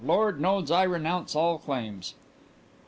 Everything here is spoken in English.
Lord knows I renounce all claims!"